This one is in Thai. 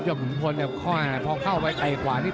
โยกขุมพรเนี่ยพอเข้าไปไกลกว่านี้